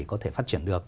có thể phát triển được